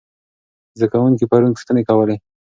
زده کوونکي پرون پوښتنې کولې.